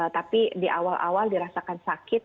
tapi di awal awal dirasakan sakit